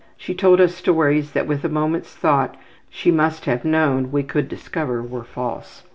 She told us stories that with a moment's thought she must have known we could discover were false.